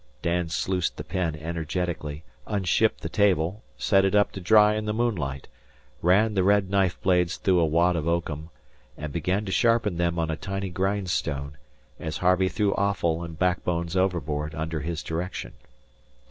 Dan sluiced the pen energetically, unshipped the table, set it up to dry in the moonlight, ran the red knife blades through a wad of oakum, and began to sharpen them on a tiny grindstone, as Harvey threw offal and backbones overboard under his direction.